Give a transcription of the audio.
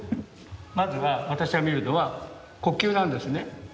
まずは私が見るのは呼吸なんですね。